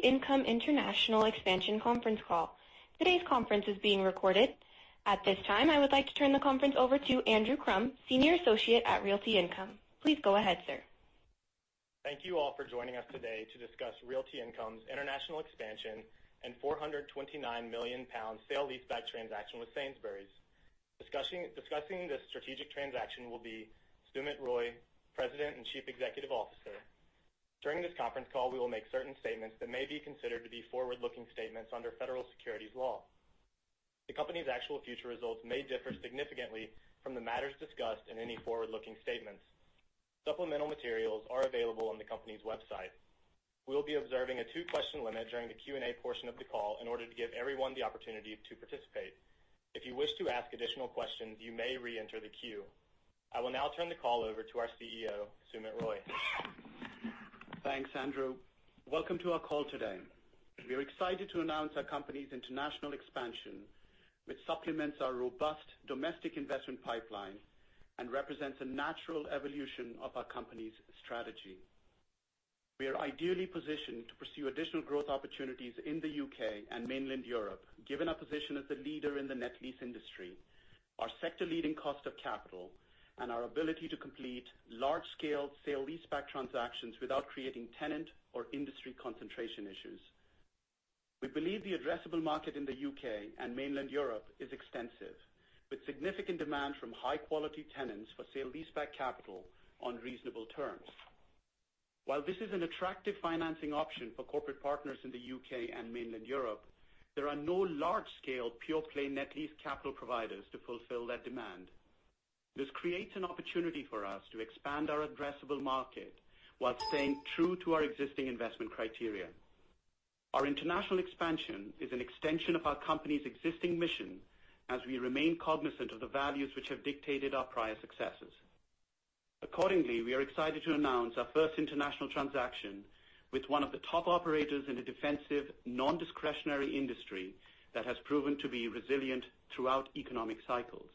Realty Income international expansion conference call. Today's conference is being recorded. At this time, I would like to turn the conference over to Andrew Crum, Senior Associate at Realty Income. Please go ahead, sir. Thank you all for joining us today to discuss Realty Income's international expansion and 429 million pounds sale leaseback transaction with Sainsbury's. Discussing this strategic transaction will be Sumit Roy, President and Chief Executive Officer. During this conference call, we will make certain statements that may be considered to be forward-looking statements under federal securities law. The company's actual future results may differ significantly from the matters discussed in any forward-looking statements. Supplemental materials are available on the company's website. We will be observing a two-question limit during the Q&A portion of the call in order to give everyone the opportunity to participate. If you wish to ask additional questions, you may re-enter the queue. I will now turn the call over to our CEO, Sumit Roy. Thanks, Andrew. Welcome to our call today. We are excited to announce our company's international expansion, which supplements our robust domestic investment pipeline and represents a natural evolution of our company's strategy. We are ideally positioned to pursue additional growth opportunities in the U.K. and mainland Europe, given our position as the leader in the net lease industry, our sector-leading cost of capital, and our ability to complete large-scale sale leaseback transactions without creating tenant or industry concentration issues. We believe the addressable market in the U.K. and mainland Europe is extensive, with significant demand from high-quality tenants for sale leaseback capital on reasonable terms. While this is an attractive financing option for corporate partners in the U.K. and mainland Europe, there are no large-scale pure-play net lease capital providers to fulfill that demand. This creates an opportunity for us to expand our addressable market while staying true to our existing investment criteria. Our international expansion is an extension of our company's existing mission as we remain cognizant of the values which have dictated our prior successes. Accordingly, we are excited to announce our first international transaction with one of the top operators in a defensive, non-discretionary industry that has proven to be resilient throughout economic cycles.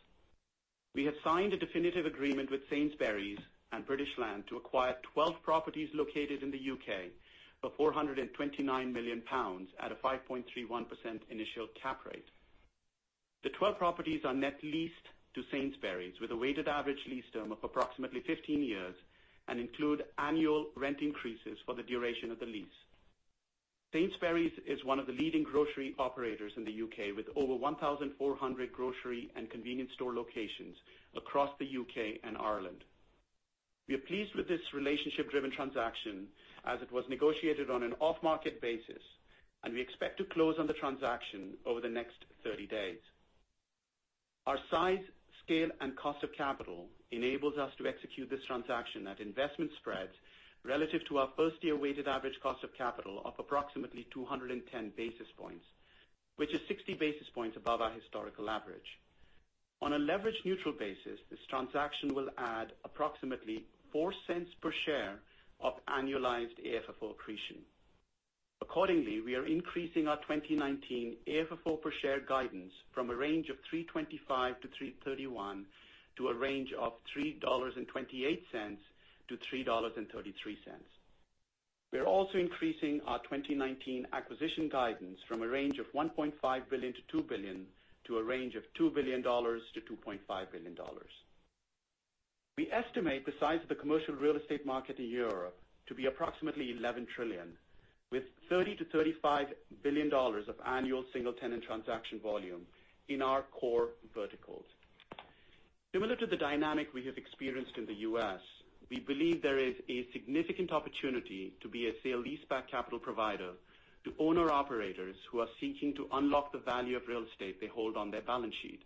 We have signed a definitive agreement with Sainsbury's and British Land to acquire 12 properties located in the U.K. for 429 million pounds at a 5.31% initial cap rate. The 12 properties are net leased to Sainsbury's with a weighted average lease term of approximately 15 years and include annual rent increases for the duration of the lease. Sainsbury's is one of the leading grocery operators in the U.K., with over 1,400 grocery and convenience store locations across the U.K. and Ireland. We are pleased with this relationship-driven transaction as it was negotiated on an off-market basis, and we expect to close on the transaction over the next 30 days. Our size, scale, and cost of capital enables us to execute this transaction at investment spreads relative to our first-year weighted average cost of capital of approximately 210 basis points, which is 60 basis points above our historical average. On a leverage-neutral basis, this transaction will add approximately $0.04 per share of annualized AFFO accretion. Accordingly, we are increasing our 2019 AFFO per share guidance from a range of $3.25-$3.31 to a range of $3.28-$3.33. We are also increasing our 2019 acquisition guidance from a range of $1.5 billion-$2 billion to a range of $2 billion-$2.5 billion. We estimate the size of the commercial real estate market in Europe to be approximately $11 trillion, with $30 billion-$35 billion of annual single-tenant transaction volume in our core verticals. Similar to the dynamic we have experienced in the U.S., we believe there is a significant opportunity to be a sale leaseback capital provider to owner-operators who are seeking to unlock the value of real estate they hold on their balance sheet.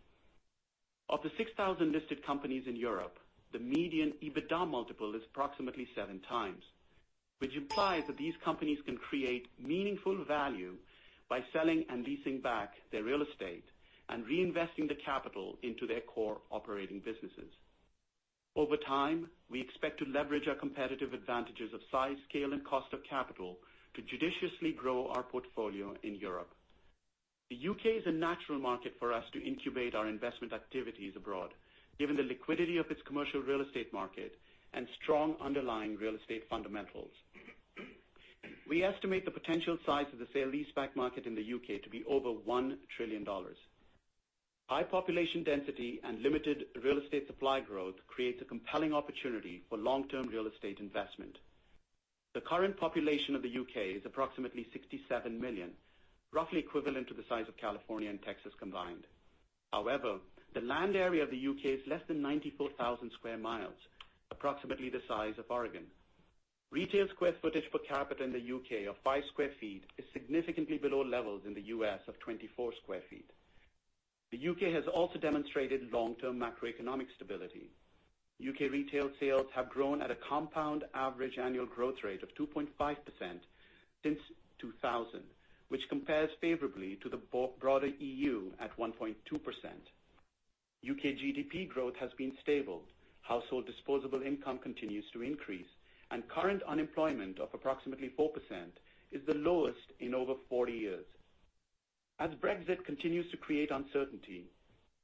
Of the 6,000 listed companies in Europe, the median EBITDA multiple is approximately 7 times, which implies that these companies can create meaningful value by selling and leasing back their real estate and reinvesting the capital into their core operating businesses. Over time, we expect to leverage our competitive advantages of size, scale, and cost of capital to judiciously grow our portfolio in Europe. The U.K. is a natural market for us to incubate our investment activities abroad, given the liquidity of its commercial real estate market and strong underlying real estate fundamentals. We estimate the potential size of the sale leaseback market in the U.K. to be over $1 trillion. High population density and limited real estate supply growth creates a compelling opportunity for long-term real estate investment. The current population of the U.K. is approximately 67 million, roughly equivalent to the size of California and Texas combined. However, the land area of the U.K. is less than 94,000 sq mi, approximately the size of Oregon. Retail square footage per capita in the U.K. of 5 sq ft is significantly below levels in the U.S. of 24 sq ft. The U.K. has also demonstrated long-term macroeconomic stability. U.K. retail sales have grown at a compound average annual growth rate of 2.5% since 2000, which compares favorably to the broader EU at 1.2%. U.K. GDP growth has been stable. Household disposable income continues to increase, and current unemployment of approximately 4% is the lowest in over 40 years. Brexit continues to create uncertainty,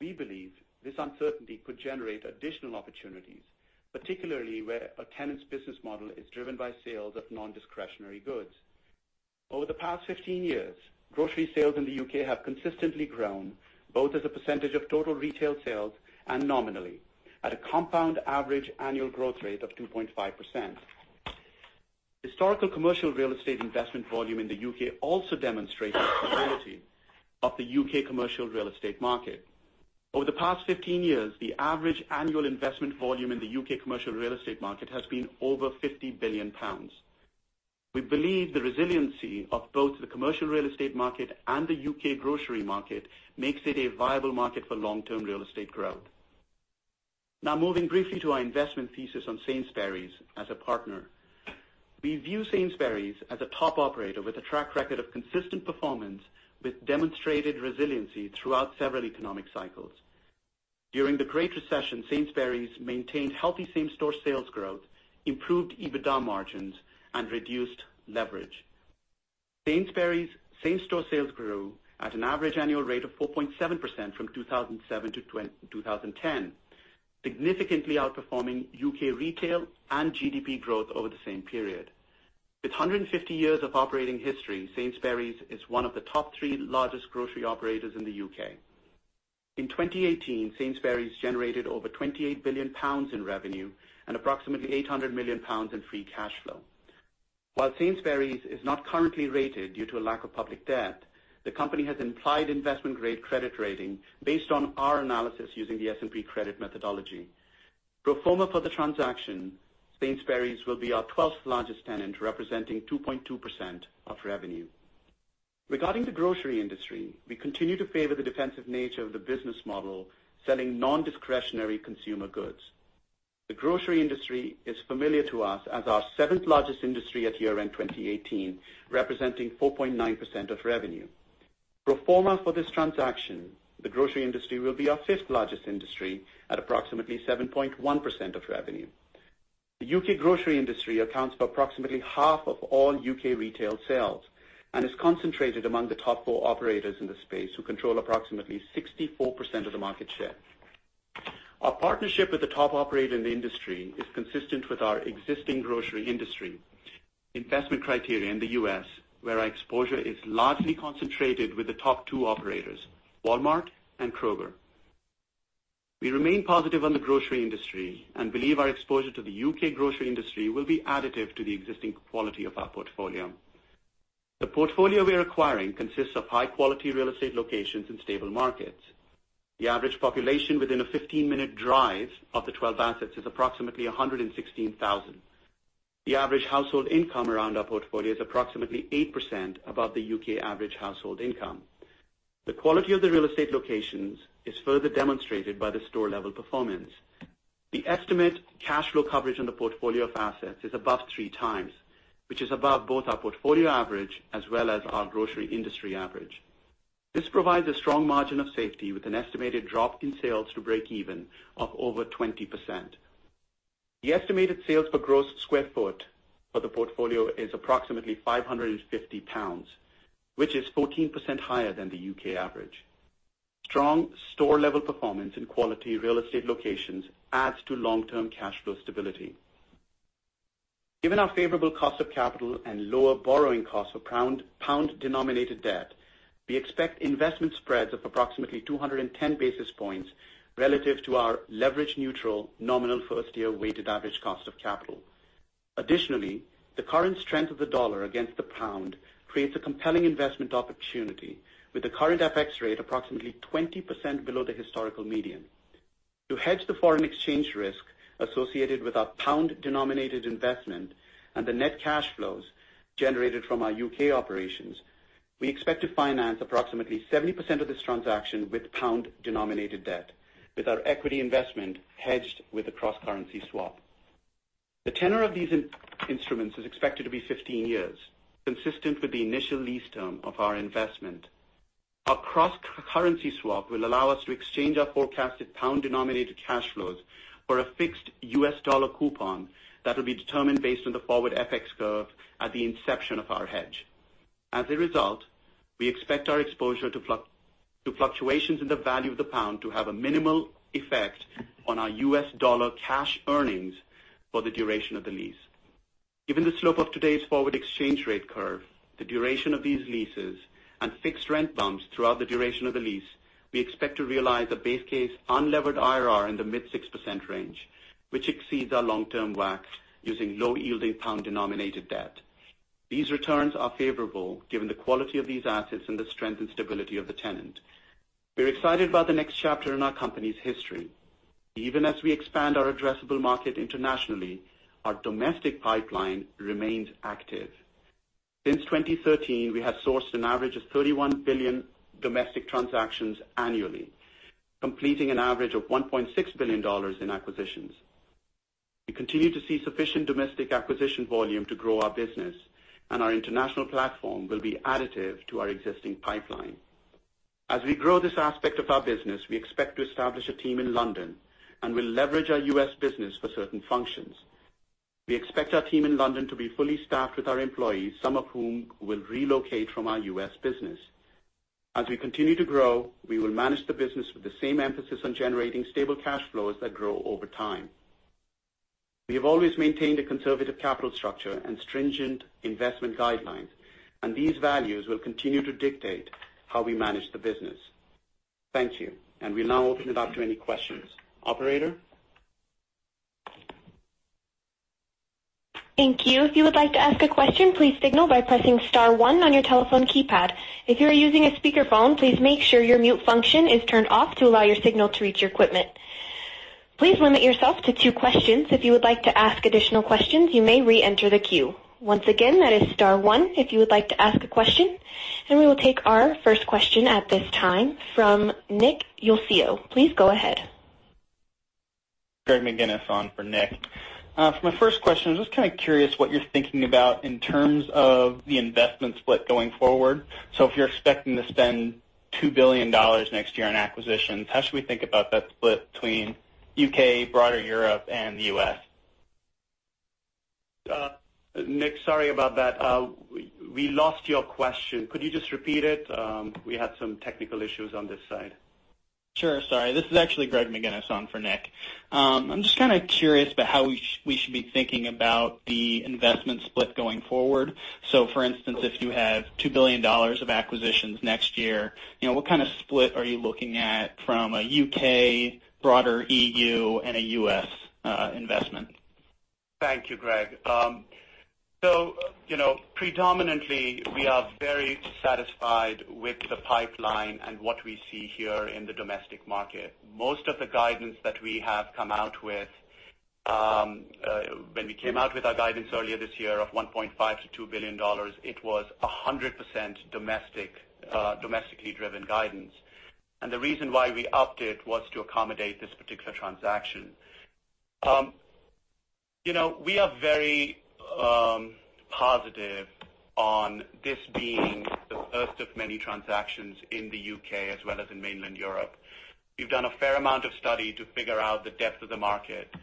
we believe this uncertainty could generate additional opportunities, particularly where a tenant's business model is driven by sales of non-discretionary goods. Over the past 15 years, grocery sales in the U.K. have consistently grown, both as a percentage of total retail sales and nominally at a compound average annual growth rate of 2.5%. Historical commercial real estate investment volume in the U.K. also demonstrates the stability of the U.K. commercial real estate market. Over the past 15 years, the average annual investment volume in the U.K. commercial real estate market has been over 50 billion pounds. We believe the resiliency of both the commercial real estate market and the U.K. grocery market makes it a viable market for long-term real estate growth. Moving briefly to our investment thesis on Sainsbury's as a partner. We view Sainsbury's as a top operator with a track record of consistent performance with demonstrated resiliency throughout several economic cycles. During the Great Recession, Sainsbury's maintained healthy same-store sales growth, improved EBITDA margins, and reduced leverage. Sainsbury's same-store sales grew at an average annual rate of 4.7% from 2007 to 2010, significantly outperforming U.K. retail and GDP growth over the same period. With 150 years of operating history, Sainsbury's is one of the top three largest grocery operators in the U.K. In 2018, Sainsbury's generated over 28 billion pounds in revenue and approximately 800 million pounds in free cash flow. While Sainsbury's is not currently rated due to a lack of public debt, the company has implied investment-grade credit rating based on our analysis using the S&P credit methodology. Pro forma for the transaction, Sainsbury's will be our 12th largest tenant, representing 2.2% of revenue. Regarding the grocery industry, we continue to favor the defensive nature of the business model, selling non-discretionary consumer goods. The grocery industry is familiar to us as our seventh largest industry at year-end 2018, representing 4.9% of revenue. Pro forma for this transaction, the grocery industry will be our fifth largest industry at approximately 7.1% of revenue. The U.K. grocery industry accounts for approximately half of all U.K. retail sales and is concentrated among the top four operators in the space, who control approximately 64% of the market share. Our partnership with the top operator in the industry is consistent with our existing grocery industry investment criteria in the U.S., where our exposure is largely concentrated with the top two operators, Walmart and Kroger. We remain positive on the grocery industry and believe our exposure to the U.K. grocery industry will be additive to the existing quality of our portfolio. The portfolio we're acquiring consists of high-quality real estate locations in stable markets. The average population within a 15-minute drive of the 12 assets is approximately 116,000. The average household income around our portfolio is approximately 8% above the U.K. average household income. The quality of the real estate locations is further demonstrated by the store-level performance. The estimate cash flow coverage on the portfolio of assets is above three times, which is above both our portfolio average as well as our grocery industry average. This provides a strong margin of safety with an estimated drop in sales to breakeven of over 20%. The estimated sales per gross square foot for the portfolio is approximately 550 pounds, which is 14% higher than the U.K. average. Strong store-level performance in quality real estate locations adds to long-term cash flow stability. Given our favorable cost of capital and lower borrowing cost for pound-denominated debt, we expect investment spreads of approximately 210 basis points relative to our leverage-neutral nominal first-year weighted average cost of capital. Additionally, the current strength of the dollar against the pound creates a compelling investment opportunity with the current FX rate approximately 20% below the historical median. To hedge the foreign exchange risk associated with our pound-denominated investment and the net cash flows generated from our U.K. operations, we expect to finance approximately 70% of this transaction with pound-denominated debt, with our equity investment hedged with a cross-currency swap. The tenor of these instruments is expected to be 15 years, consistent with the initial lease term of our investment. Our cross-currency swap will allow us to exchange our forecasted pound-denominated cash flows for a fixed U.S. dollar coupon that will be determined based on the forward FX curve at the inception of our hedge. As a result, we expect our exposure to fluctuations in the value of the pound to have a minimal effect on our U.S. dollar cash earnings for the duration of the lease. Given the slope of today's forward exchange rate curve, the duration of these leases, and fixed rent bumps throughout the duration of the lease, we expect to realize a base case unlevered IRR in the mid 6% range, which exceeds our long-term WACC using low-yielding pound-denominated debt. These returns are favorable given the quality of these assets and the strength and stability of the tenant. We're excited about the next chapter in our company's history. Even as we expand our addressable market internationally, our domestic pipeline remains active. Since 2013, we have sourced an average of 31 billion domestic transactions annually, completing an average of $1.6 billion in acquisitions. We continue to see sufficient domestic acquisition volume to grow our business, and our international platform will be additive to our existing pipeline. As we grow this aspect of our business, we expect to establish a team in London and will leverage our U.S. business for certain functions. We expect our team in London to be fully staffed with our employees, some of whom will relocate from our U.S. business. As we continue to grow, we will manage the business with the same emphasis on generating stable cash flows that grow over time. We have always maintained a conservative capital structure and stringent investment guidelines, and these values will continue to dictate how we manage the business. Thank you. We'll now open it up to any questions. Operator? Thank you. If you would like to ask a question, please signal by pressing star one on your telephone keypad. If you are using a speakerphone, please make sure your mute function is turned off to allow your signal to reach your equipment. Please limit yourself to two questions. If you would like to ask additional questions, you may re-enter the queue. Once again, that is star one if you would like to ask a question. We will take our first question at this time from Nicholas Yulico. Please go ahead. Greg McGinniss on for Nick. For my first question, I'm just kind of curious what you're thinking about in terms of the investment split going forward. If you're expecting to spend $2 billion next year on acquisitions, how should we think about that split between U.K., broader Europe, and the U.S.? Nick, sorry about that. We lost your question. Could you just repeat it? We had some technical issues on this side. Sure. Sorry. This is actually Greg McGinniss on for Nick. I'm just kind of curious about how we should be thinking about the investment split going forward. For instance, if you have $2 billion of acquisitions next year, what kind of split are you looking at from a U.K., broader EU, and a U.S. investment? Thank you, Greg. Predominantly, we are very satisfied with the pipeline and what we see here in the domestic market. Most of the guidance that we have come out with, when we came out with our guidance earlier this year of $1.5 billion to $2 billion, it was 100% domestically driven guidance. The reason why we upped it was to accommodate this particular transaction. We are very positive on this being the first of many transactions in the U.K. as well as in mainland Europe. We've done a fair amount of study to figure out the depth of the market,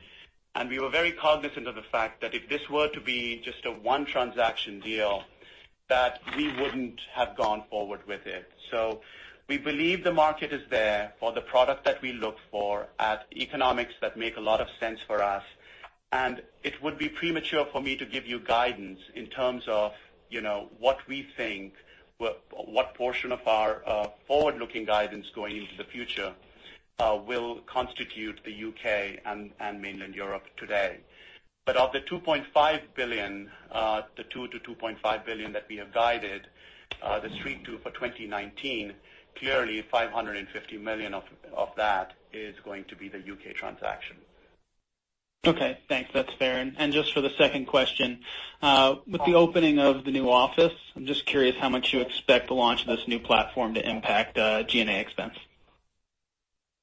we were very cognizant of the fact that if this were to be just a one transaction deal, that we wouldn't have gone forward with it. We believe the market is there for the product that we look for at economics that make a lot of sense for us. It would be premature for me to give you guidance in terms of what we think, what portion of our forward-looking guidance going into the future will constitute the U.K. and mainland Europe today. Of the $2.5 billion, the $2 billion-$2.5 billion that we have guided the street to for 2019, clearly $550 million of that is going to be the U.K. transaction. Okay, thanks. That's fair. Just for the second question, with the opening of the new office, I'm just curious how much you expect the launch of this new platform to impact G&A expense.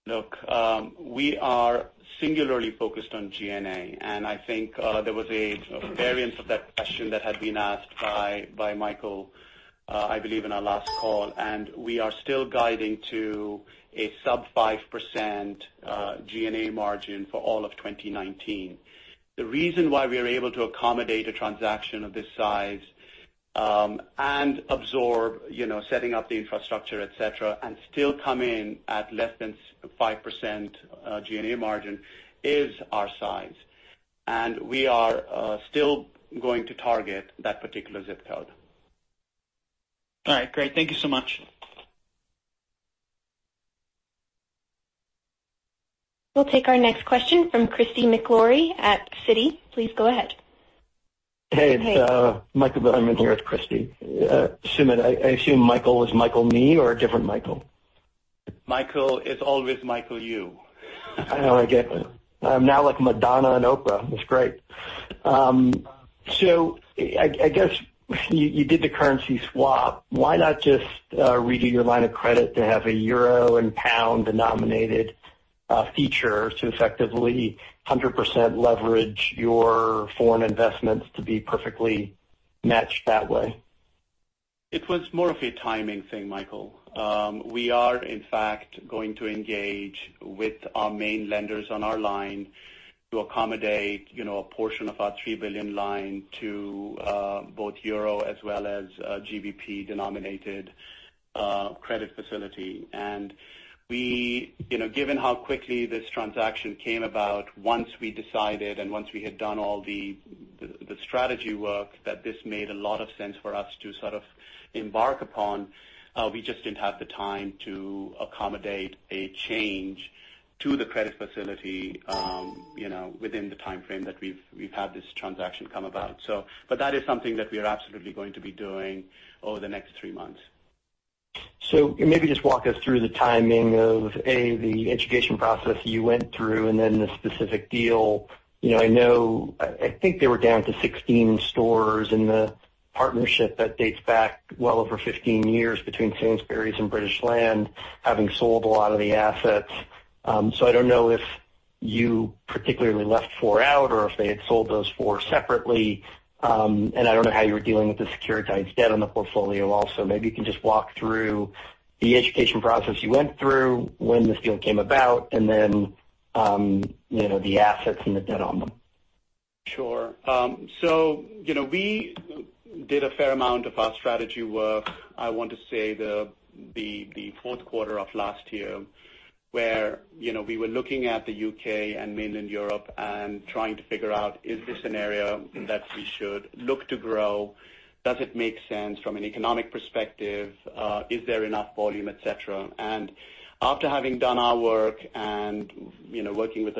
Look, we are singularly focused on G&A. I think there was a variance of that question that had been asked by Michael, I believe, in our last call. We are still guiding to a sub 5% G&A margin for all of 2019. The reason why we are able to accommodate a transaction of this size, absorb setting up the infrastructure, et cetera, and still come in at less than 5% G&A margin is our size. We are still going to target that particular ZIP code. All right, great. Thank you so much. We'll take our next question from Christy McElroy at Citi. Please go ahead. Hey. Hey. It's Michael Bilerman here with Christy. Sumit, I assume Michael was Michael me or a different Michael? Michael, it's always Michael you. I know, I get it. I'm now like Madonna and Oprah. It's great. I guess you did the currency swap. Why not just redo your line of credit to have a euro and pound denominated feature to effectively 100% leverage your foreign investments to be perfectly matched that way? It was more of a timing thing, Michael. We are in fact going to engage with our main lenders on our line to accommodate a portion of our $3 billion line to both EUR as well as GBP denominated credit facility. Given how quickly this transaction came about, once we decided and once we had done all the strategy work that this made a lot of sense for us to sort of embark upon, we just didn't have the time to accommodate a change to the credit facility within the timeframe that we've had this transaction come about. That is something that we are absolutely going to be doing over the next 3 months. Maybe just walk us through the timing of, A, the education process you went through and then the specific deal. I think they were down to 16 stores in the partnership that dates back well over 15 years between Sainsbury's and British Land, having sold a lot of the assets. I don't know if you particularly left 4 out or if they had sold those 4 separately. I don't know how you were dealing with the securitized debt on the portfolio also. Maybe you can just walk through the education process you went through when this deal came about, and then the assets and the debt on them. Sure. We did a fair amount of our strategy work, I want to say, the fourth quarter of last year, where we were looking at the U.K. and mainland Europe and trying to figure out, is this an area that we should look to grow? Does it make sense from an economic perspective? Is there enough volume, et cetera? After having done our work and working with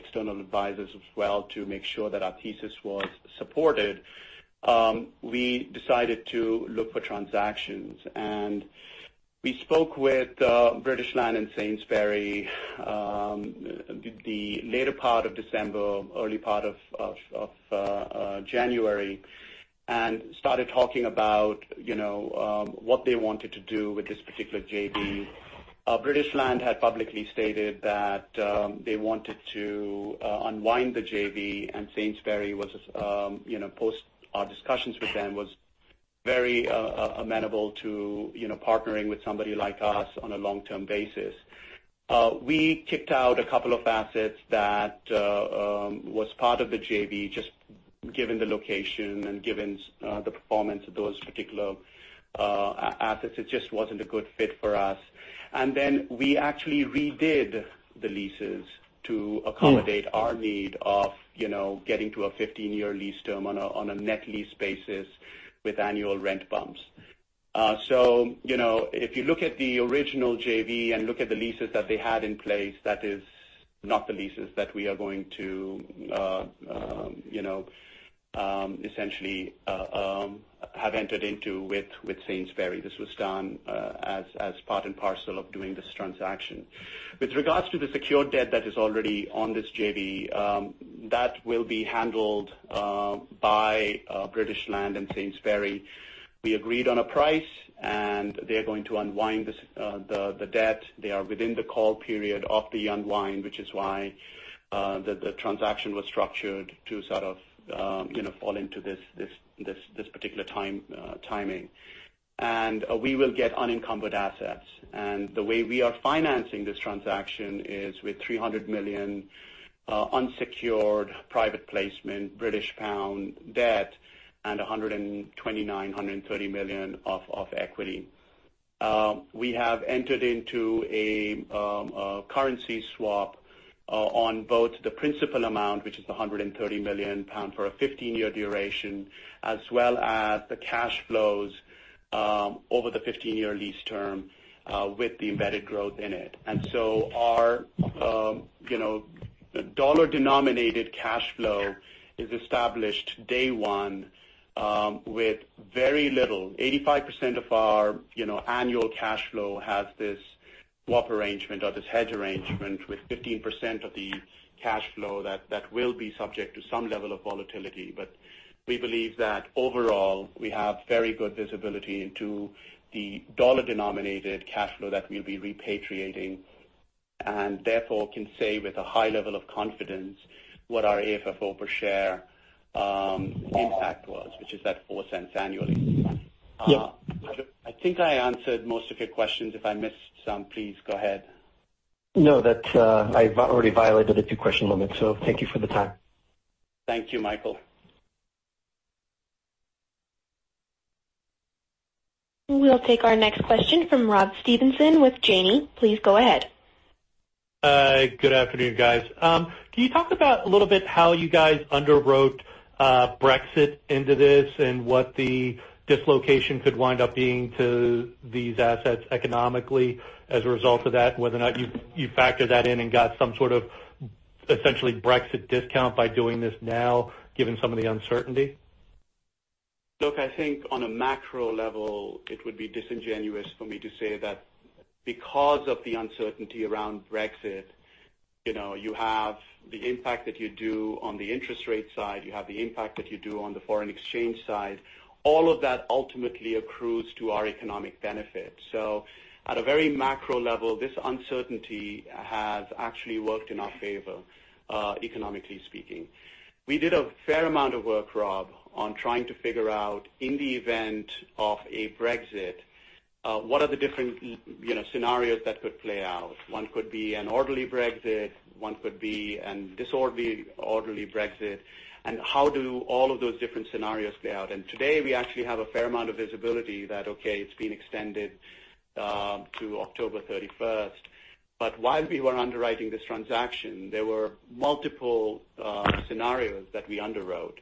external advisors as well to make sure that our thesis was supported, we decided to look for transactions. We spoke with British Land and Sainsbury the later part of December, early part of January, and started talking about what they wanted to do with this particular JV. British Land had publicly stated that they wanted to unwind the JV, and Sainsbury, post our discussions with them, was very amenable to partnering with somebody like us on a long-term basis. We kicked out a couple of assets that was part of the JV, just given the location and given the performance of those particular assets. It just wasn't a good fit for us. We actually redid the leases to accommodate our need of getting to a 15-year lease term on a net lease basis with annual rent bumps. If you look at the original JV and look at the leases that they had in place, that is not the leases that we are going to essentially have entered into with Sainsbury. This was done as part and parcel of doing this transaction. With regards to the secured debt that is already on this JV, that will be handled by British Land and Sainsbury. We agreed on a price, and they're going to unwind the debt. They are within the call period of the unwind, which is why the transaction was structured to sort of fall into this particular timing. We will get unencumbered assets. The way we are financing this transaction is with 300 million unsecured private placement debt and 129 million-130 million of equity. We have entered into a currency swap on both the principal amount, which is the 130 million pound for a 15-year duration, as well as the cash flows over the 15-year lease term with the embedded growth in it. Our dollar-denominated cash flow is established day one with very little, 85% of our annual cash flow has this swap arrangement or this hedge arrangement with 15% of the cash flow that will be subject to some level of volatility. We believe that overall, we have very good visibility into the dollar-denominated cash flow that we'll be repatriating, and therefore can say with a high level of confidence what our AFFO per share impact was, which is at $0.04 annually. Yeah. I think I answered most of your questions. If I missed some, please go ahead. No. I've already violated the two-question limit. Thank you for the time. Thank you, Michael. We'll take our next question from Rob Stevenson with Janney. Please go ahead. Good afternoon, guys. Can you talk about, a little bit, how you guys underwrote Brexit into this and what the dislocation could wind up being to these assets economically as a result of that, whether or not you factored that in and got some sort of essentially Brexit discount by doing this now, given some of the uncertainty? Look, I think on a macro level, it would be disingenuous for me to say that because of the uncertainty around Brexit, you have the impact that you do on the interest rate side, you have the impact that you do on the foreign exchange side. All of that ultimately accrues to our economic benefit. At a very macro level, this uncertainty has actually worked in our favor, economically speaking. We did a fair amount of work, Rob, on trying to figure out, in the event of a Brexit, what are the different scenarios that could play out. One could be an orderly Brexit, one could be an disorderly Brexit, and how do all of those different scenarios play out. Today, we actually have a fair amount of visibility that, okay, it's been extended to October 31st. While we were underwriting this transaction, there were multiple scenarios that we underwrote.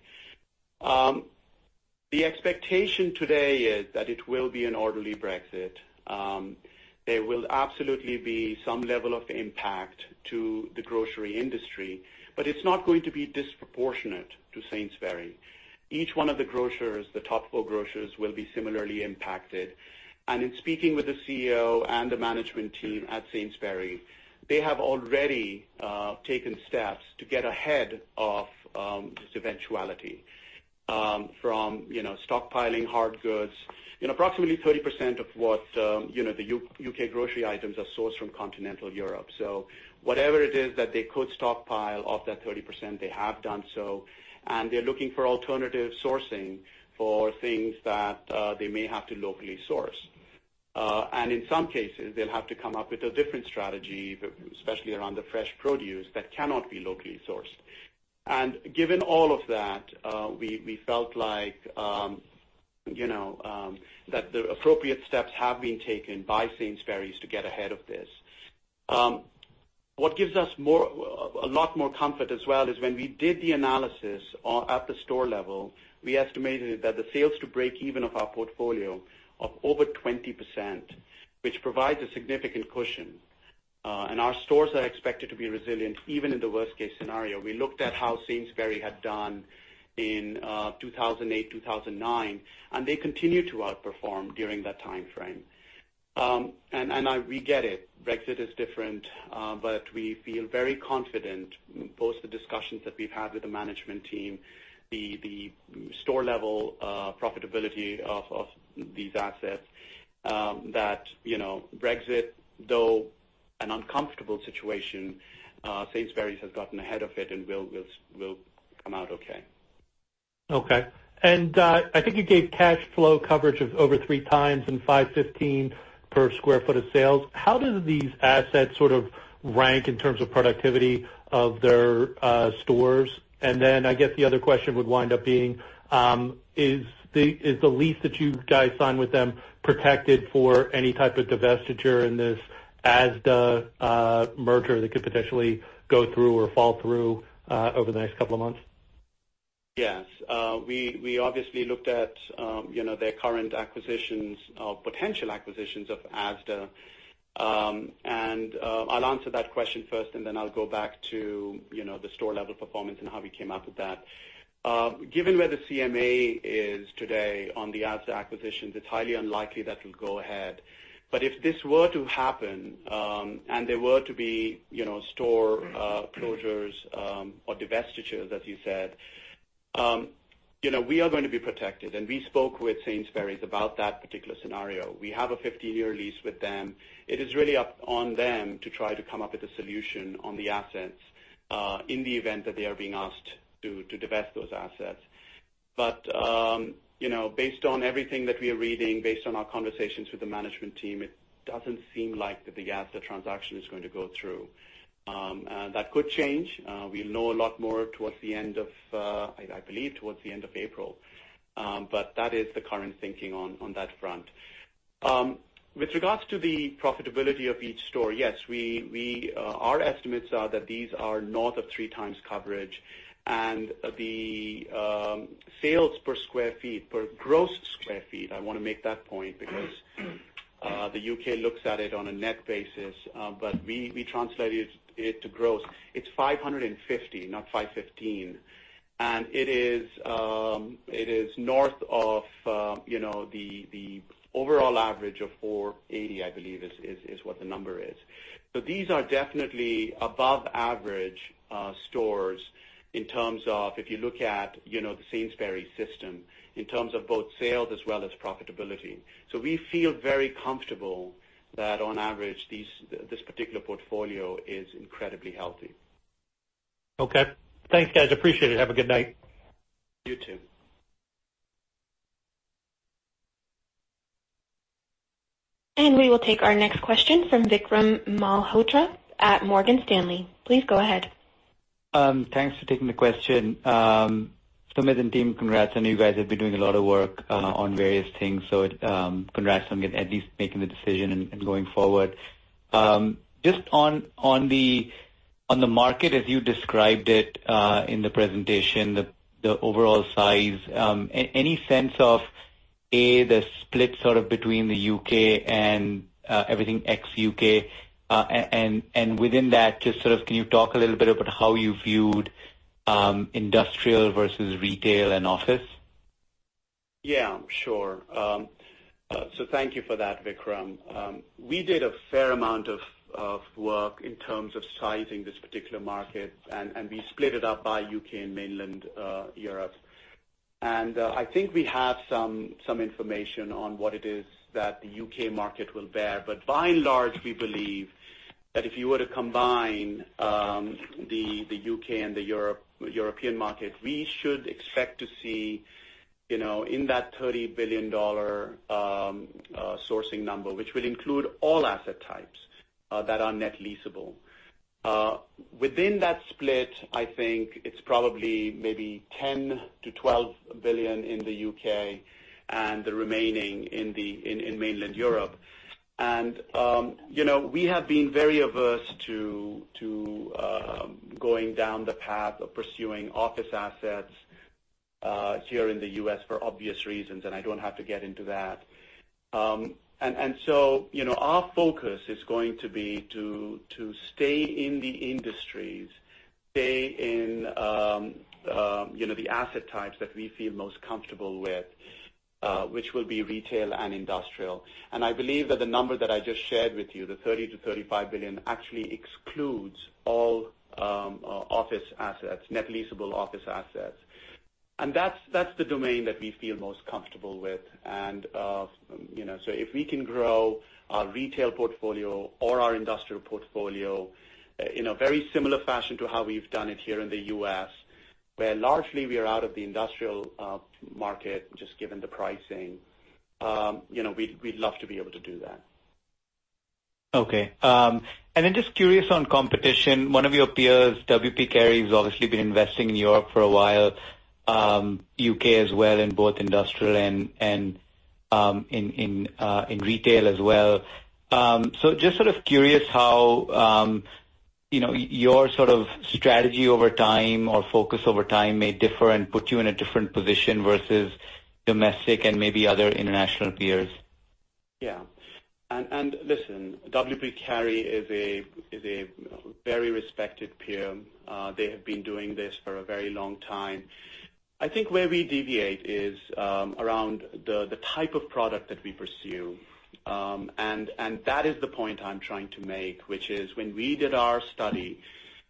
The expectation today is that it will be an orderly Brexit. There will absolutely be some level of impact to the grocery industry, but it's not going to be disproportionate to Sainsbury's. Each one of the grocers, the top four grocers, will be similarly impacted. In speaking with the CEO and the management team at Sainsbury's, they have already taken steps to get ahead of this eventuality, from stockpiling hard goods. Approximately 30% of what the U.K. grocery items are sourced from continental Europe. Whatever it is that they could stockpile of that 30%, they have done so, and they're looking for alternative sourcing for things that they may have to locally source. In some cases, they'll have to come up with a different strategy, especially around the fresh produce that cannot be locally sourced. Given all of that, we felt that the appropriate steps have been taken by Sainsbury's to get ahead of this. What gives us a lot more comfort as well is when we did the analysis at the store level, we estimated that the sales to break even of our portfolio of over 20%, which provides a significant cushion. Our stores are expected to be resilient even in the worst case scenario. We looked at how Sainsbury's had done in 2008, 2009, and they continued to outperform during that timeframe. We get it. Brexit is different. We feel very confident, both the discussions that we've had with the management team, the store level profitability of these assets, that Brexit, though an uncomfortable situation, Sainsbury's has gotten ahead of it and will come out okay. Okay. I think you gave cash flow coverage of over three times and $515 per sq ft of sales. How do these assets rank in terms of productivity of their stores? I guess the other question would wind up being, is the lease that you guys signed with them protected for any type of divestiture in this Asda merger that could potentially go through or fall through over the next couple of months? Yes. We obviously looked at their current acquisitions or potential acquisitions of Asda. I'll answer that question first, then I'll go back to the store level performance and how we came up with that. Given where the CMA is today on the Asda acquisition, it is highly unlikely that will go ahead. If this were to happen, and there were to be store closures or divestitures as you said, we are going to be protected. We spoke with Sainsbury's about that particular scenario. We have a 50-year lease with them. It is really up on them to try to come up with a solution on the assets, in the event that they are being asked to divest those assets. Based on everything that we are reading, based on our conversations with the management team, it doesn't seem like the Asda transaction is going to go through. That could change. We'll know a lot more, I believe, towards the end of April. That is the current thinking on that front. With regards to the profitability of each store, yes, our estimates are that these are north of three times coverage. The sales per gross square feet, I want to make that point because the U.K. looks at it on a net basis. We translate it to gross. It is 550, not 515. It is north of the overall average of 480, I believe is what the number is. These are definitely above average stores in terms of if you look at the Sainsbury's system, in terms of both sales as well as profitability. We feel very comfortable that on average, this particular portfolio is incredibly healthy. Okay. Thanks, guys. Appreciate it. Have a good night. You too. We will take our next question from Vikram Malhotra at Morgan Stanley. Please go ahead. Thanks for taking the question. Sumit and team, congrats. I know you guys have been doing a lot of work on various things, so congrats on at least making the decision and going forward. Just on the market as you described it in the presentation, the overall size. Any sense of, A, the split sort of between the U.K. and everything ex-U.K.? Within that, just can you talk a little bit about how you viewed industrial versus retail and office? Yeah. Sure. Thank you for that, Vikram. We did a fair amount of work in terms of sizing this particular market, we split it up by U.K. and mainland Europe. I think we have some information on what it is that the U.K. market will bear. By and large, we believe that if you were to combine the U.K. and the European market, we should expect to see in that $30 billion sourcing number, which will include all asset types that are net leasable. Within that split, I think it's probably maybe $10 billion to $12 billion in the U.K. and the remaining in mainland Europe. We have been very averse to going down the path of pursuing office assets here in the U.S. for obvious reasons, I don't have to get into that. Our focus is going to be to stay in the industries, stay in the asset types that we feel most comfortable with, which will be retail and industrial. I believe that the number that I just shared with you, the $30 billion to $35 billion, actually excludes all office assets, net leasable office assets. That's the domain that we feel most comfortable with. If we can grow our retail portfolio or our industrial portfolio in a very similar fashion to how we've done it here in the U.S. where largely we are out of the industrial market, just given the pricing. We'd love to be able to do that. Okay. Then just curious on competition. One of your peers, W. P. Carey, has obviously been investing in Europe for a while, U.K. as well, in both industrial and in retail as well. Just sort of curious how your sort of strategy over time or focus over time may differ and put you in a different position versus domestic and maybe other international peers. Yeah. Listen, W. P. Carey is a very respected peer. They have been doing this for a very long time. I think where we deviate is around the type of product that we pursue, and that is the point I'm trying to make, which is when we did our study,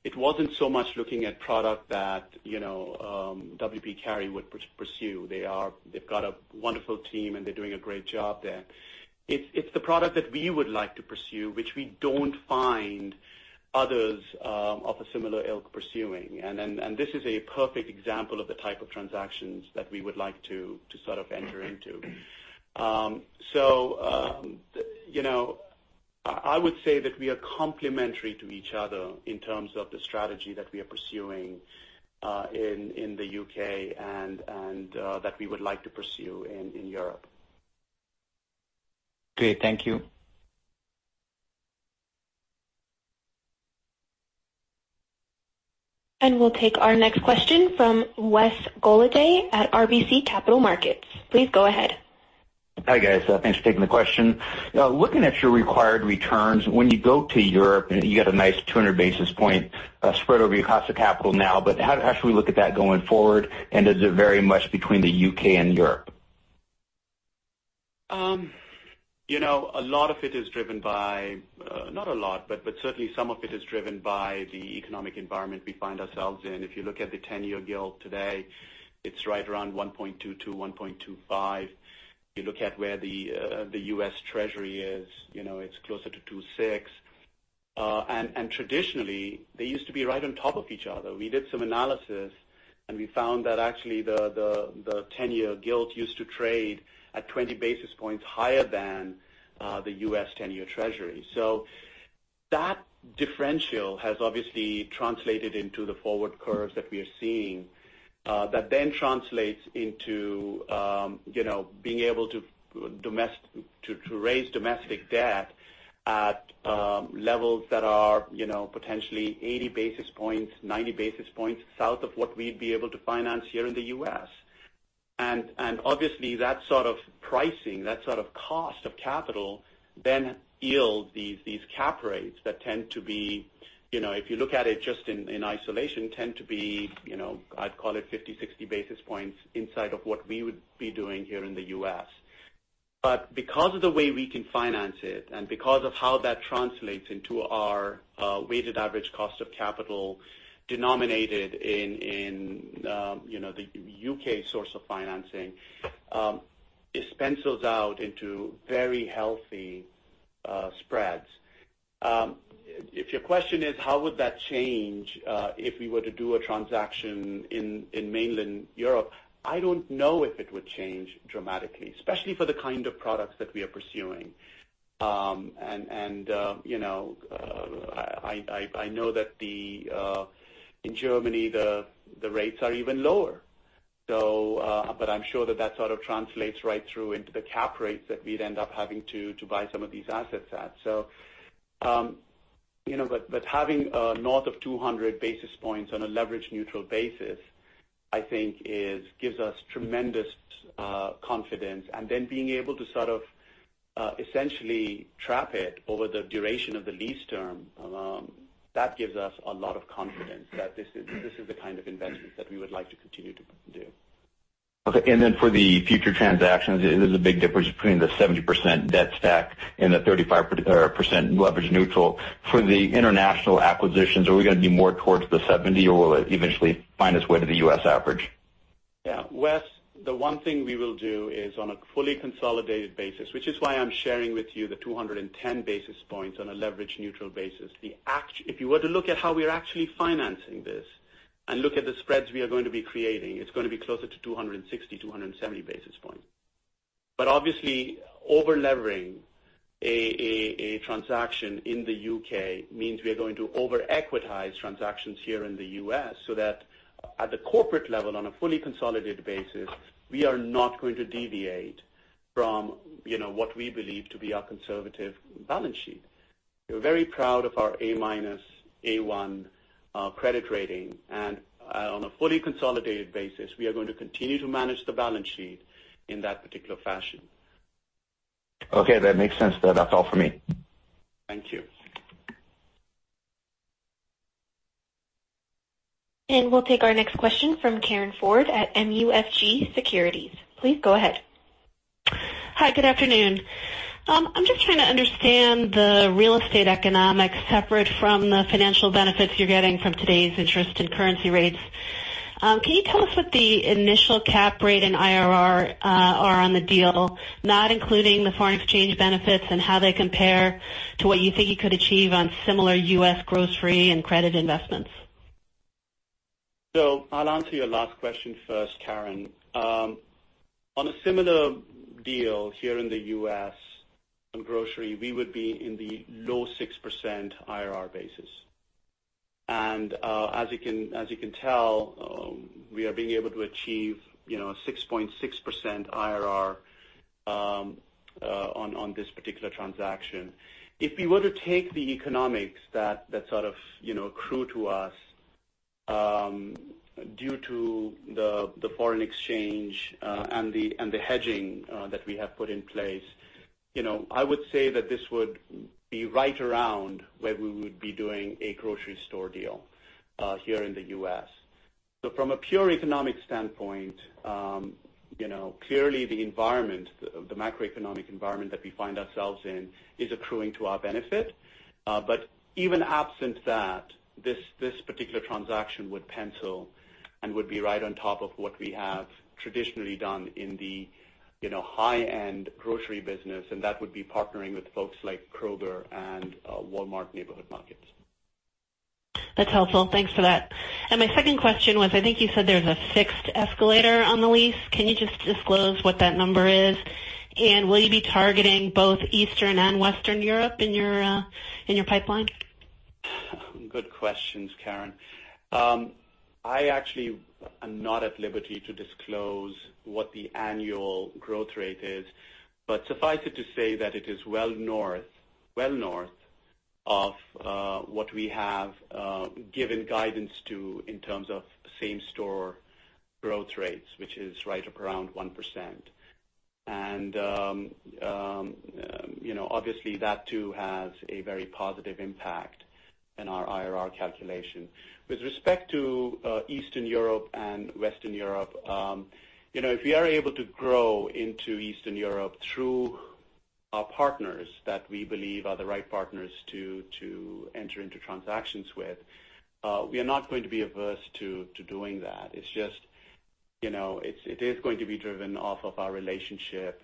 it wasn't so much looking at product that W. P. Carey would pursue. They've got a wonderful team, and they're doing a great job there. It's the product that we would like to pursue, which we don't find others of a similar ilk pursuing. This is a perfect example of the type of transactions that we would like to sort of enter into. I would say that we are complementary to each other in terms of the strategy that we are pursuing, in the U.K. and that we would like to pursue in Europe. Great. Thank you. We'll take our next question from Wesley Golladay at RBC Capital Markets. Please go ahead. Hi, guys. Thanks for taking the question. Looking at your required returns, when you go to Europe, you got a nice 200 basis point spread over your cost of capital now, how should we look at that going forward? Does it vary much between the U.K. and Europe? A lot of it is driven by, not a lot, but certainly some of it is driven by the economic environment we find ourselves in. If you look at the 10-year gilt today, it is right around 1.22, 1.25. You look at where the U.S. Treasury is, it is closer to 2.6. Traditionally, they used to be right on top of each other. We did some analysis, and we found that actually the 10-year gilt used to trade at 20 basis points higher than the U.S. 10-year Treasury. That differential has obviously translated into the forward curves that we are seeing. That translates into being able to raise domestic debt at levels that are potentially 80 basis points, 90 basis points south of what we would be able to finance here in the U.S. Obviously, that sort of pricing, that sort of cost of capital yields these cap rates that tend to be, if you look at it just in isolation, tend to be, I would call it 50, 60 basis points inside of what we would be doing here in the U.S. Because of the way we can finance it and because of how that translates into our weighted average cost of capital denominated in the U.K. source of financing, it pencils out into very healthy spreads. If your question is how would that change, if we were to do a transaction in mainland Europe, I don't know if it would change dramatically, especially for the kind of products that we are pursuing. I know that in Germany, the rates are even lower. I am sure that sort of translates right through into the cap rates that we would end up having to buy some of these assets at. Having north of 200 basis points on a leverage-neutral basis, I think gives us tremendous confidence. Being able to sort of, essentially trap it over the duration of the lease term, that gives us a lot of confidence that this is the kind of investment that we would like to continue to do. Okay. For the future transactions, is there a big difference between the 70% debt stack and the 35% leverage-neutral for the international acquisitions? Are we going to be more towards the 70 or will it eventually find its way to the U.S. average? Yeah. Wes, the one thing we will do is on a fully consolidated basis, which is why I'm sharing with you the 210 basis points on a leverage-neutral basis. If you were to look at how we are actually financing this and look at the spreads we are going to be creating, it's going to be closer to 260, 270 basis points. Obviously, over-leveraging a transaction in the U.K. means we are going to over-equitize transactions here in the U.S., so that at the corporate level, on a fully consolidated basis, we are not going to deviate from what we believe to be our conservative balance sheet. We're very proud of our A-, A1 credit rating, and on a fully consolidated basis, we are going to continue to manage the balance sheet in that particular fashion. Okay. That makes sense. That's all for me. Thank you. We'll take our next question from Karin Ford at MUFG Securities. Please go ahead. Hi, good afternoon. I'm just trying to understand the real estate economics separate from the financial benefits you're getting from today's interest and currency rates. Can you tell us what the initial cap rate and IRR are on the deal, not including the foreign exchange benefits, and how they compare to what you think you could achieve on similar U.S. grocery and credit investments? I'll answer your last question first, Karin. On a similar deal here in the U.S. in grocery, we would be in the low 6% IRR basis. As you can tell, we are being able to achieve 6.6% IRR on this particular transaction. If we were to take the economics that sort of accrue to us due to the foreign exchange and the hedging that we have put in place, I would say that this would be right around where we would be doing a grocery store deal here in the U.S. From a pure economic standpoint, clearly the macroeconomic environment that we find ourselves in is accruing to our benefit. Even absent that, this particular transaction would pencil and would be right on top of what we have traditionally done in the high-end grocery business, and that would be partnering with folks like Kroger and Walmart Neighborhood Market. That's helpful. Thanks for that. My second question was, I think you said there's a fixed escalator on the lease. Can you just disclose what that number is? Will you be targeting both Eastern and Western Europe in your pipeline? Good questions, Karin. I actually am not at liberty to disclose what the annual growth rate is, suffice it to say that it is well north of what we have given guidance to in terms of same-store growth rates, which is right up around 1%. Obviously, that too has a very positive impact in our IRR calculation. With respect to Eastern Europe and Western Europe, if we are able to grow into Eastern Europe through our partners that we believe are the right partners to enter into transactions with, we are not going to be averse to doing that. It's just, it is going to be driven off of our relationship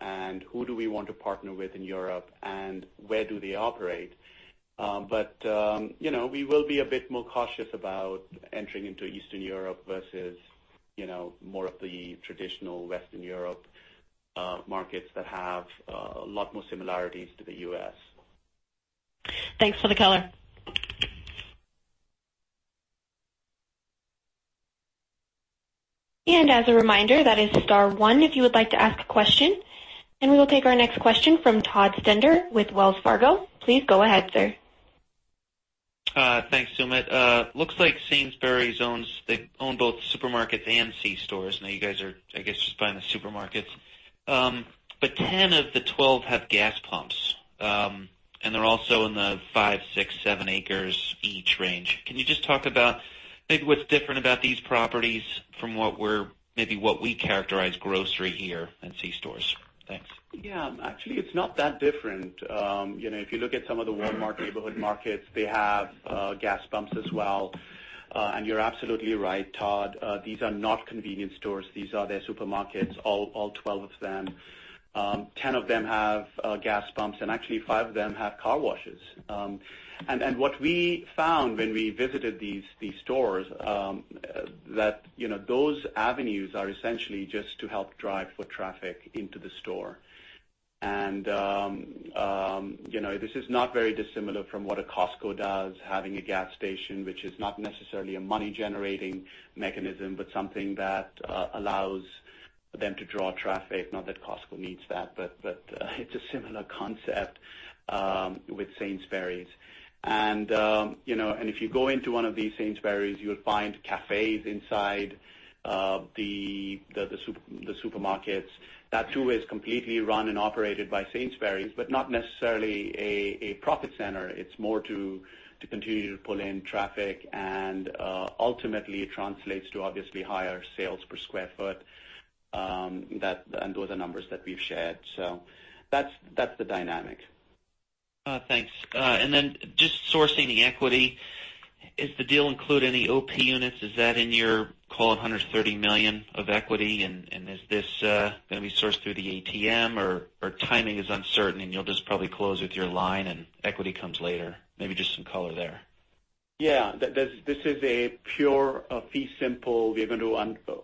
and who do we want to partner with in Europe and where do they operate. We will be a bit more cautious about entering into Eastern Europe versus more of the traditional Western Europe markets that have a lot more similarities to the U.S. Thanks for the color. As a reminder, that is star one if you would like to ask a question. We will take our next question from Todd Stender with Wells Fargo. Please go ahead, sir. Thanks, Sumit. Looks like Sainsbury's owns both supermarkets and C-stores. You guys are, I guess, just buying the supermarkets. Ten of the 12 have gas pumps. They're also in the five, six, seven acres each range. Can you just talk about maybe what's different about these properties from maybe what we characterize grocery here and C-stores? Thanks. Actually, it's not that different. If you look at some of the Walmart Neighborhood Market, they have gas pumps as well. You're absolutely right, Todd. These are not convenience stores. These are their supermarkets, all 12 of them. Ten of them have gas pumps, and actually, five of them have car washes. What we found when we visited these stores, that those avenues are essentially just to help drive foot traffic into the store. This is not very dissimilar from what a Costco does, having a gas station, which is not necessarily a money-generating mechanism, but something that allows them to draw traffic. Not that Costco needs that, but it's a similar concept with Sainsbury's. If you go into one of these Sainsbury's, you'll find cafes inside the supermarkets. That, too, is completely run and operated by Sainsbury's, but not necessarily a profit center. It's more to continue to pull in traffic, and ultimately it translates to obviously higher sales per square foot. Those are numbers that we've shared. That's the dynamic. Thanks. Then just sourcing the equity. Is the deal include any OP units? Is that in your call, $130 million of equity? Is this going to be sourced through the ATM, or timing is uncertain, and you'll just probably close with your line and equity comes later? Maybe just some color there. Yeah. This is a pure fee simple. We're going to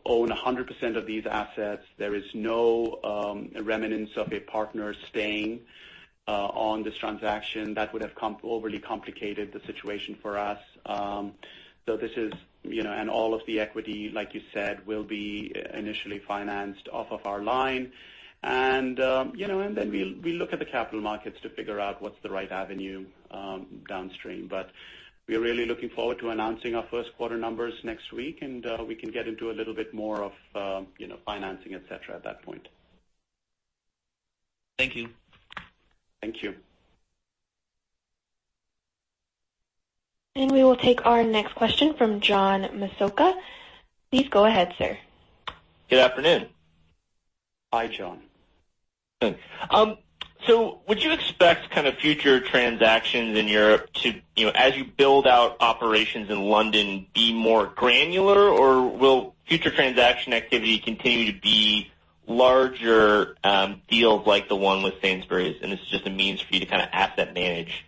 own 100% of these assets. There is no remnants of a partner staying on this transaction. That would have overly complicated the situation for us. All of the equity, like you said, will be initially financed off of our line. We'll look at the capital markets to figure out what's the right avenue downstream. We are really looking forward to announcing our first quarter numbers next week, and we can get into a little bit more of financing, et cetera, at that point. Thank you. Thank you. We will take our next question from John Massocca. Please go ahead, sir. Good afternoon. Hi, John. Thanks. Would you expect kind of future transactions in Europe to, as you build out operations in London, be more granular? Will future transaction activity continue to be larger deals like the one with Sainsbury's, and it's just a means for you to asset manage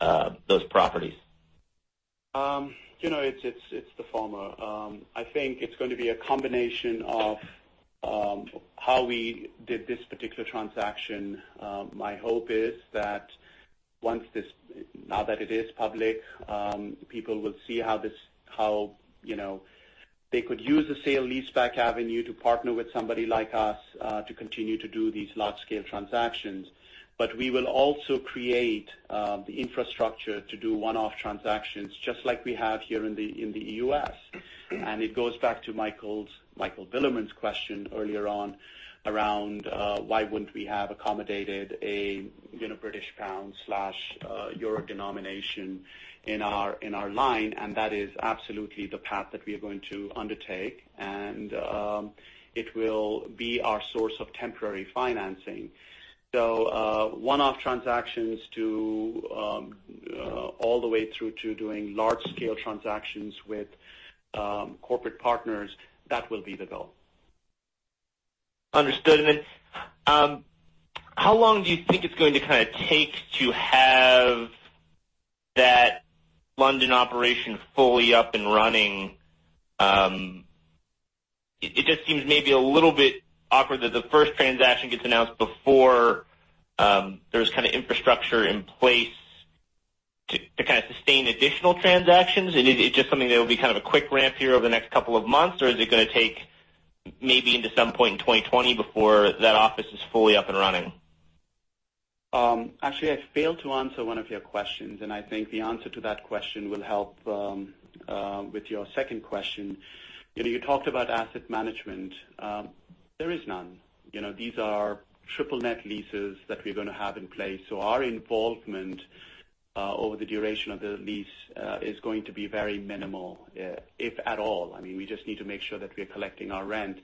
those properties? It's the former. I think it's going to be a combination of how we did this particular transaction. My hope is that now that it is public, people will see how they could use the sale leaseback avenue to partner with somebody like us, to continue to do these large-scale transactions. We will also create the infrastructure to do one-off transactions, just like we have here in the U.S. It goes back to Michael Bilerman's question earlier on around, why wouldn't we have accommodated a British pound/euro denomination in our line, and that is absolutely the path that we are going to undertake. It will be our source of temporary financing. One-off transactions all the way through to doing large-scale transactions with corporate partners, that will be the goal. Understood. How long do you think it's going to take to have that London operation fully up and running? It just seems maybe a little bit awkward that the first transaction gets announced before there's infrastructure in place to sustain additional transactions. Is it just something that will be a quick ramp here over the next couple of months, or is it going to take maybe into some point in 2020 before that office is fully up and running? Actually, I failed to answer one of your questions, and I think the answer to that question will help with your second question. You talked about asset management. There is none. These are triple net leases that we're going to have in place. Our involvement, over the duration of the lease, is going to be very minimal, if at all. We just need to make sure that we're collecting our rent.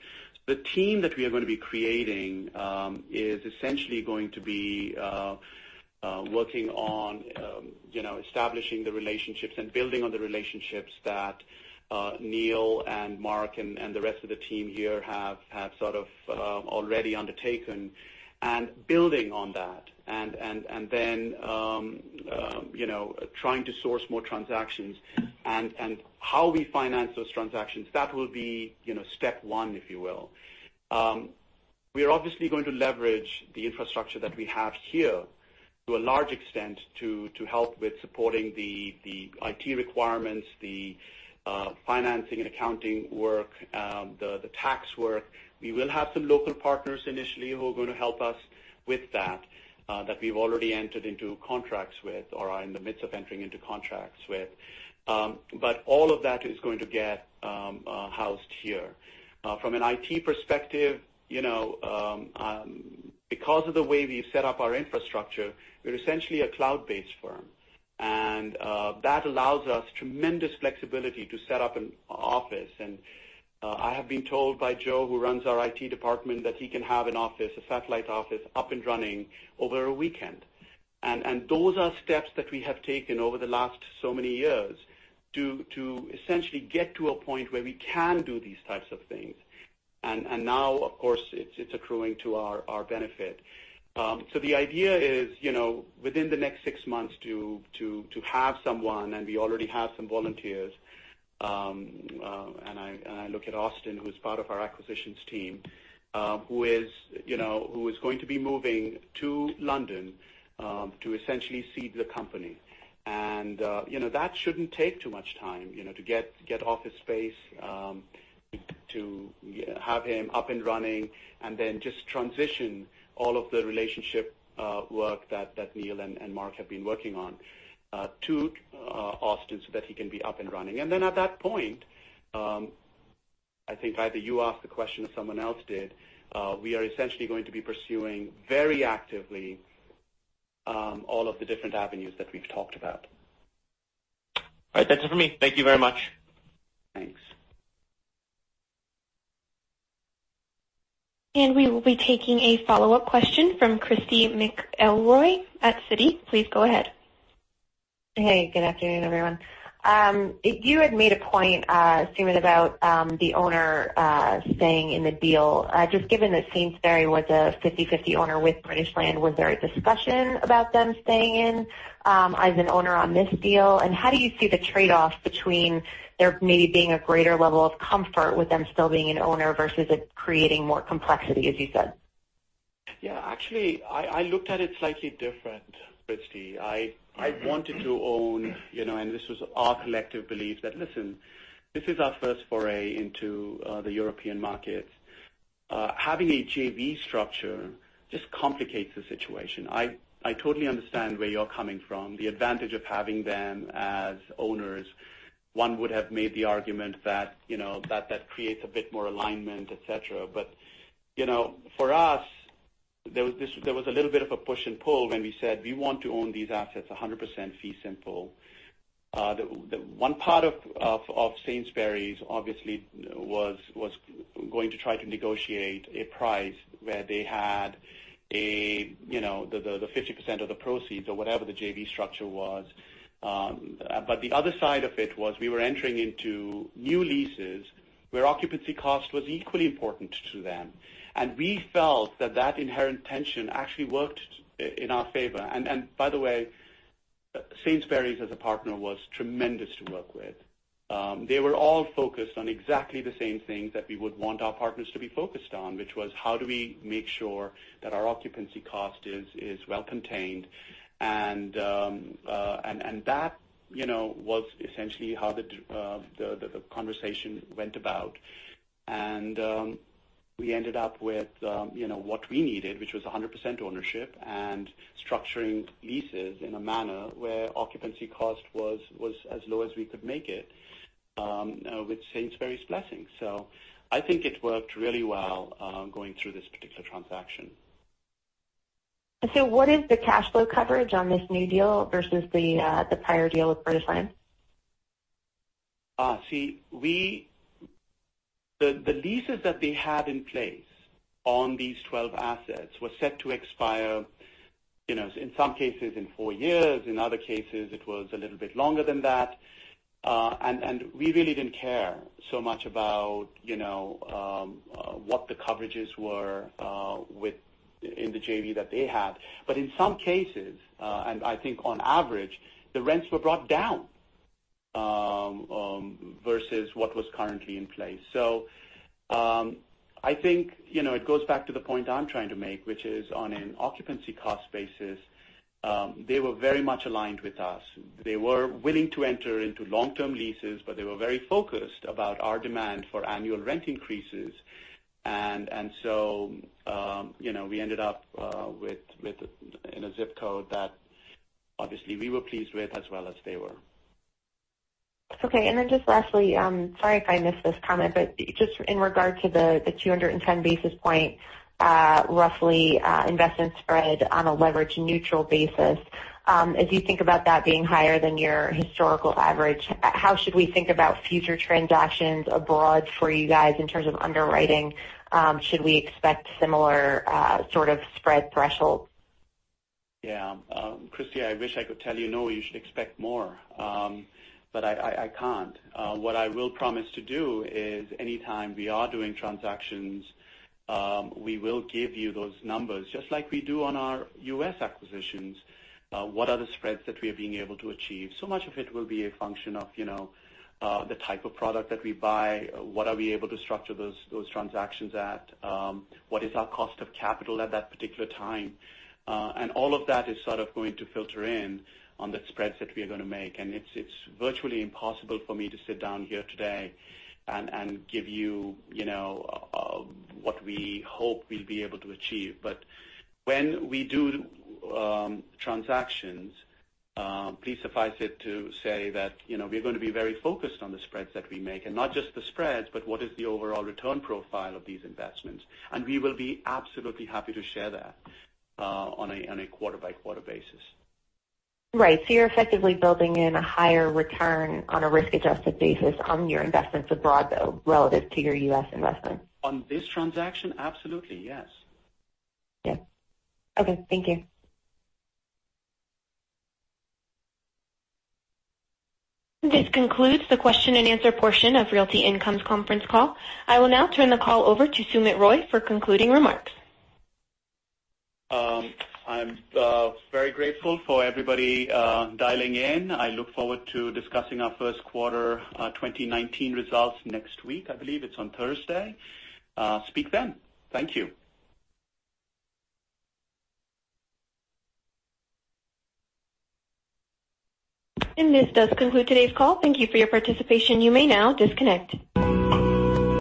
The team that we are going to be creating, is essentially going to be working on establishing the relationships and building on the relationships that Neil and Mark and the rest of the team here have sort of already undertaken, and building on that. Then, trying to source more transactions. How we finance those transactions, that will be step one, if you will. We're obviously going to leverage the infrastructure that we have here to a large extent to help with supporting the IT requirements, the financing and accounting work, the tax work. We will have some local partners initially who are going to help us with that we've already entered into contracts with or are in the midst of entering into contracts with. All of that is going to get housed here. From an IT perspective, because of the way we've set up our infrastructure, we're essentially a cloud-based firm, and that allows us tremendous flexibility to set up an office. I have been told by Joe, who runs our IT department, that he can have an office, a satellite office, up and running over a weekend. Those are steps that we have taken over the last so many years to essentially get to a point where we can do these types of things. Now, of course, it's accruing to our benefit. The idea is, within the next six months, to have someone, and we already have some volunteers. I look at Austin, who's part of our acquisitions team, who is going to be moving to London, to essentially seed the company. That shouldn't take too much time to get office space, to have him up and running, and then just transition all of the relationship work that Neil and Mark have been working on to Austin so that he can be up and running. At that point, I think either you asked the question or someone else did, we are essentially going to be pursuing very actively all of the different avenues that we've talked about. All right. That's it for me. Thank you very much. Thanks. We will be taking a follow-up question from Christy McElroy at Citi. Please go ahead. Hey, good afternoon, everyone. You had made a point, Sumit, about the owner staying in the deal. Just given that Sainsbury's was a 50/50 owner with British Land, was there a discussion about them staying in as an owner on this deal? How do you see the trade-off between there maybe being a greater level of comfort with them still being an owner versus it creating more complexity, as you said? Yeah. Actually, I looked at it slightly different, Christy. I wanted to own, this was our collective belief that, listen, this is our first foray into the European market. Having a JV structure just complicates the situation. I totally understand where you're coming from. The advantage of having them as owners, one would have made the argument that creates a bit more alignment, et cetera. For us, there was a little bit of a push and pull when we said we want to own these assets 100% fee simple. One part of Sainsbury's obviously was going to try to negotiate a price where they had the 50% of the proceeds or whatever the JV structure was. The other side of it was we were entering into new leases where occupancy cost was equally important to them. We felt that that inherent tension actually worked in our favor. By the way, Sainsbury's as a partner was tremendous to work with. They were all focused on exactly the same things that we would want our partners to be focused on, which was how do we make sure that our occupancy cost is well contained? That was essentially how the conversation went about. We ended up with what we needed, which was 100% ownership and structuring leases in a manner where occupancy cost was as low as we could make it, with Sainsbury's's blessing. I think it worked really well, going through this particular transaction. What is the cash flow coverage on this new deal versus the prior deal with British Land? The leases that they had in place on these 12 assets were set to expire, in some cases in four years, in other cases it was a little bit longer than that. We really didn't care so much about what the coverages were in the JV that they had. In some cases, and I think on average, the rents were brought down versus what was currently in place. I think it goes back to the point I'm trying to make, which is on an occupancy cost basis, they were very much aligned with us. They were willing to enter into long-term leases, but they were very focused about our demand for annual rent increases. We ended up in a zip code that obviously we were pleased with as well as they were. Okay. Just lastly, sorry if I missed this comment, but just in regard to the 210 basis point roughly investment spread on a leverage-neutral basis. As you think about that being higher than your historical average, how should we think about future transactions abroad for you guys in terms of underwriting? Should we expect similar sort of spread thresholds? Yeah. Christy, I wish I could tell you no, you should expect more. I can't. What I will promise to do is anytime we are doing transactions, we will give you those numbers just like we do on our U.S. acquisitions. What are the spreads that we are being able to achieve? Much of it will be a function of the type of product that we buy. What are we able to structure those transactions at? What is our cost of capital at that particular time? All of that is sort of going to filter in on the spreads that we are going to make. It's virtually impossible for me to sit down here today and give you what we hope we'll be able to achieve. When we do transactions, please suffice it to say that we're going to be very focused on the spreads that we make. Not just the spreads, but what is the overall return profile of these investments. We will be absolutely happy to share that on a quarter-by-quarter basis. Right. You're effectively building in a higher return on a risk-adjusted basis on your investments abroad, though, relative to your U.S. investments. On this transaction, absolutely, yes. Yes. Okay. Thank you. This concludes the question and answer portion of Realty Income's conference call. I will now turn the call over to Sumit Roy for concluding remarks. I'm very grateful for everybody dialing in. I look forward to discussing our first quarter 2019 results next week. I believe it's on Thursday. Speak then. Thank you. This does conclude today's call. Thank you for your participation. You may now disconnect.